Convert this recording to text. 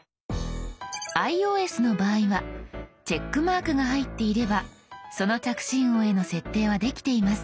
ｉＯＳの場合はチェックマークが入っていればその着信音への設定はできています。